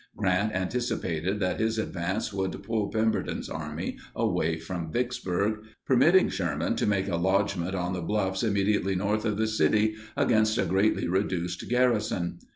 Grant anticipated that his advance would pull Pemberton's army away from Vicksburg, permitting Sherman to make a lodgment on the bluffs immediately north of the city against a greatly reduced garrison.